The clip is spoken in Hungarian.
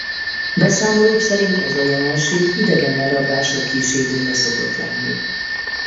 Beszámolók szerint ez a jelenség idegen elrablások kísérője szokott lenni.